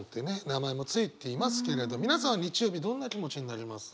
名前もついていますけれど皆さん日曜日どんな気持ちになります？